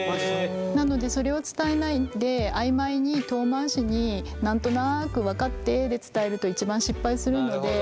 なのでそれを伝えないで曖昧に遠回しに何となく分かってで伝えると一番失敗するので。